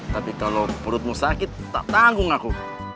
tapi kalau perutmu sakit tak tanggung aku